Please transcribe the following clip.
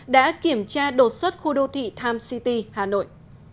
đã kiểm tra đột xuất khu đô thị times city hà nội